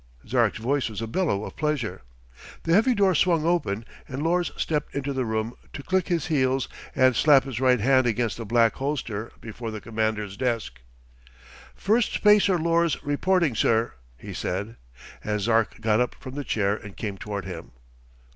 Zark's voice was a bellow of pleasure. The heavy door swung open and Lors stepped into the room to click his heels and slap his right hand against the black holster before the Commander's desk. "Firstspacer Lors reporting, sir," he said, as Zark got up from the chair and came toward him.